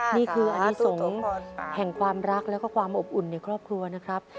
นี่คืออนิสงฆ์แห่งความรักแล้วก็ความอบอุ่นในครอบครัวนะครับ